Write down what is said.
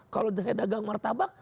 kalau saya dagang martabak